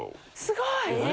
すごい！